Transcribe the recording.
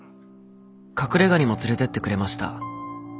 隠れ家にも連れてってくれました。